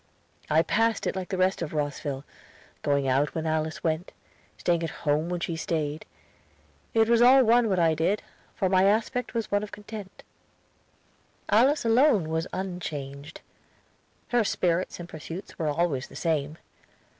I passed it like the rest of Rosville, going out when Alice went, staying at home when she stayed. It was all one what I did, for my aspect was one of content. Alice alone was unchanged; her spirits and pursuits were always the same.